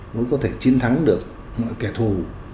mới có thể chiến thắng được mọi kẻ thù